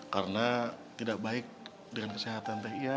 karena tidak baik dengan kesehatan teh iya